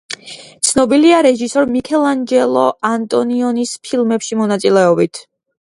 ცნობილია რეჟისორ მიქელანჯელო ანტონიონის ფილმებში მონაწილეობით.